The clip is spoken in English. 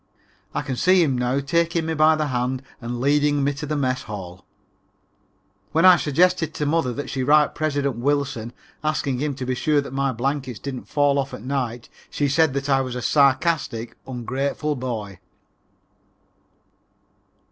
I can see him now taking me by the hand and leading me to the mess hall. When I suggested to mother that she write President Wilson asking him to be sure to see that my blankets didn't fall off at night, she said that I was a sarcastic, ungrateful boy.